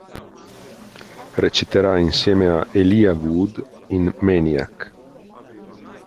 Reciterà insieme a Elijah Wood in "Maniac".